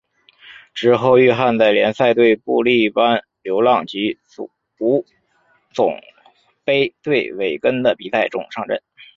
之后域汉在联赛对布力般流浪及足总杯对韦根的比赛中上阵。